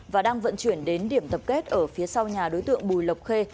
và đang vận chuyển đến điểm tập kết ở phía sau nhà đối tượng bùi lộc khê